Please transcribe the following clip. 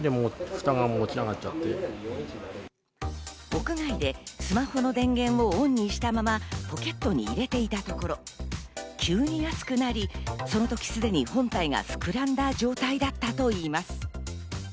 屋外でスマホの電源をオンにしたままポケットに入れていたところ、急に熱くなり、そのとき、すでに本体が膨らんだ状態だったといいます。